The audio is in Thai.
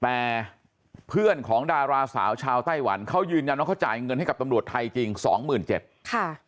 แต่เพื่อนของดาราสาวชาวไต้หวันเขายืนยันว่าเขาจ่ายเงินให้กับตำรวจไทยจริงสองหมื่นเจ็ดค่ะ